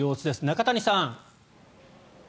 中谷さん。